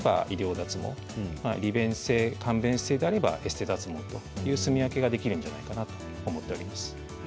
脱毛利便性、簡便性であればエステ脱毛というすみ分けができるのかなと思っています。